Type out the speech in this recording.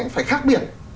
phải khác biệt